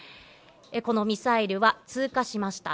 このミサイルは通過しました。